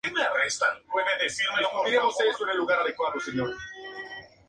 Está basado en la deidad de la mitología griega del mismo nombre.